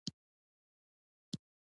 ډېر لوی دهلیز یې درلود.